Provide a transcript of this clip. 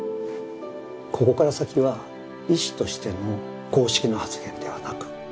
ここから先は医師としての公式の発言ではなく